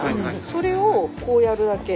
それをこうやるだけ。